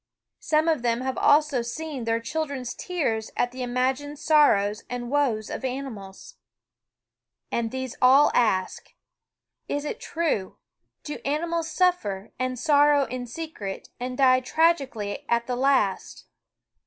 Some of them have also seen their children's tears at the imagined sorrows and woes of animals. And these all ask: Is it true? do animals On ffie h&V su ^ er ' an d sorrow m secret, and die tragically ~" at the last